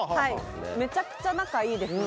めちゃくちゃ仲いいですね。